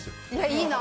いいな！